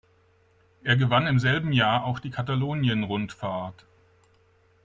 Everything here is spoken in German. Er gewann im selben Jahr auch die Katalonien-Rundfahrt.